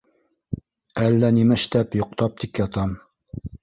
Әллә нимәштәп йоҡтап тик ятам...